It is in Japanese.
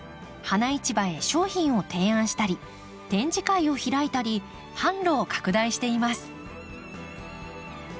花市場へ商品を提案したり展示会を開いたり販路を拡大しています。